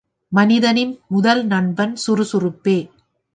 மனிதனின் முதல் நண்பன் சுறுசுறுப்பே.